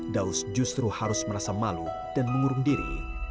daus justru harus merasa malu dan mengurung diri